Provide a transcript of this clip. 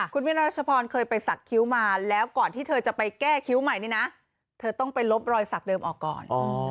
คุณวิรัชพรเคยไปสักคิ้วมาแล้วก่อนที่เธอจะไปแก้คิ้วใหม่นี่นะเธอต้องไปลบรอยสักเดิมออกก่อน